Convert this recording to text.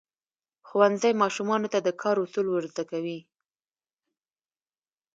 ښوونځی ماشومانو ته د کار اصول ورزده کوي.